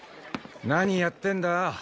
何やってんだ？